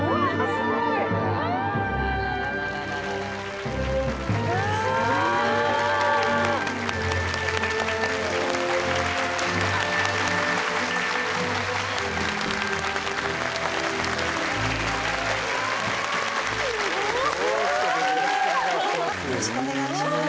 すごっよろしくお願いします